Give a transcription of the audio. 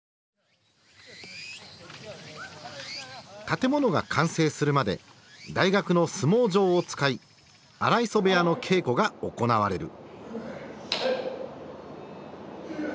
建物が完成するまで大学の相撲場を使い荒磯部屋の稽古が行われる。